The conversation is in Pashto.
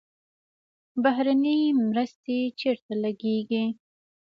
بهرنۍ مرستې چیرته لګیږي؟